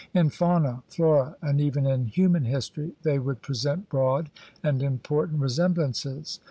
In fauna, flora, and even in human history they would present broad and important resemblances.